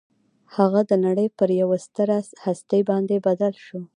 هغه د نړۍ پر یوه ستره هستي باندې بدل شو